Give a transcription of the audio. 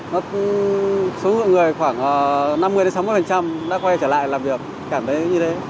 nếu mà so với trước đây tôi đi làm ấy thì số người khoảng năm mươi sáu mươi đã quay trở lại làm việc cảm thấy như thế